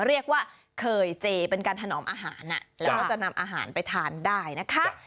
เรียกว่าเคยเจเป็นการถนอมอาหารแล้วก็จะนำอาหารไปทานได้นะคะ